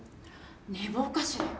寝坊かしら？